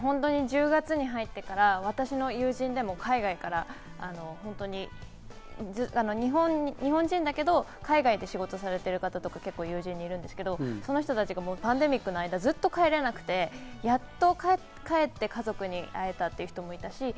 １０月に入ってから、私の友人も海外から、日本人だけど海外で仕事をされてる方が結構、友人にいるんですけど、その人たちがパンデミックの間ずっと帰れなくて、やっと帰って家族に会えたという人もいますし。